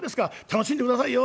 楽しんでくださいよ」。